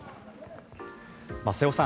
瀬尾さん